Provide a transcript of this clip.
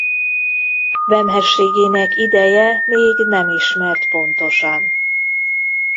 Vemhességének ideje még nem ismert pontosan.